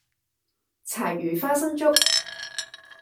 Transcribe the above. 柴魚花生粥